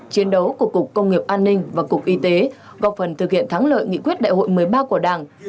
chiến đấu của cục công nghiệp an ninh và cục y tế góp phần thực hiện thắng lợi nghị quyết đại hội một mươi ba của đảng